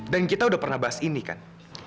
dan kita udah pernah bahas ini kan